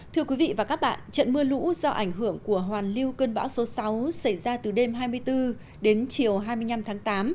thưa quý vị và các bạn trận mưa lũ do ảnh hưởng của hoàn lưu cơn bão số sáu xảy ra từ đêm hai mươi bốn đến chiều hai mươi năm tháng tám